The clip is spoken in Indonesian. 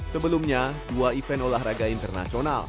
sebelumnya dua event olahraga internasional